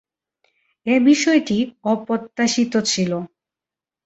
এ বিষয়টি অপ্রত্যাশিত ছিল।